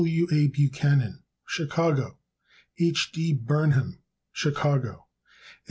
W. A. Buchanan, Chicago, Ill. H. D. Burnham, Chicago, Ill.